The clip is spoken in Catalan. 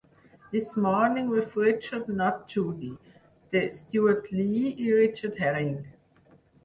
"This Morning With Richard Not Judy" de Stewart Lee i Richard Herring.